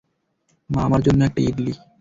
মা, আমার জন্য একটা ইডলি।